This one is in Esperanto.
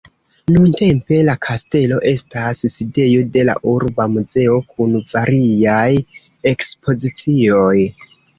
Nuntempe la kastelo estas sidejo de la urba muzeo kun variaj ekspozicioj.